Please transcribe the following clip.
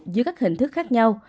dưới các hình thức khác nhau